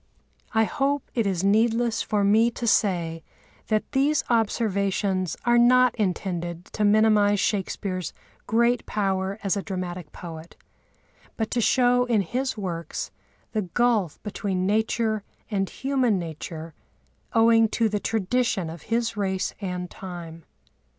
I hope it is needless for me to say that these observations are not intended to minimise Shakespeare's great power as a dramatic poet, but to show in his works the gulf between Nature and human nature owing to the tradition of his race and time.